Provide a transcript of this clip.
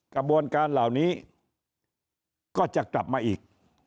กระบวนการเหล่านี้ก็จะกลับมาอีก